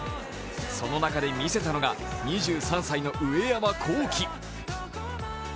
その中でみせたのが２３歳の上山紘輝。